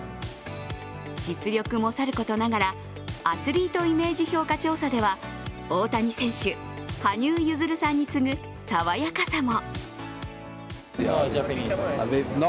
実力もさることながら、アスリートイメージ評価調査では大谷選手、羽生結弦さんに次ぐ爽やかさも。